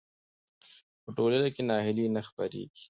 په ټولنه کې ناهیلي نه خپرېږي.